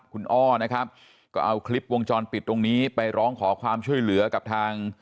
คุณอ้อนะครับก็เอาคลิปวงจรปิดตรงนี้ไปร้องขอความช่วยเหลือกับทาง